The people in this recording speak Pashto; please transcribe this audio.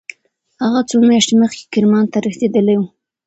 هغه څو میاشتې مخکې کرمان ته رسېدلی و.